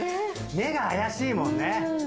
目が怪しいもんね。